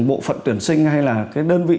bộ phận tuyển sinh hay là đơn vị